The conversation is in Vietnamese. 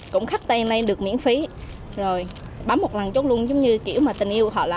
cũng khắc tay này được miễn phí rồi bấm một lần chốt luôn giống như kiểu tình yêu họ là